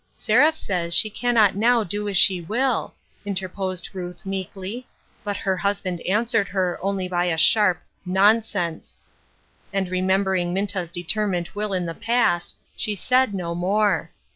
27O DAYS OF PRIVILEGE. " Seraph says she cannot now do as she will," interposed Ruth meekly, but her husband answered her only by a sharp " Nonsense !" And remem bering Minta's determined will in the past, she said no more.